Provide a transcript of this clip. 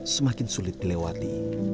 semakin sulit dilewati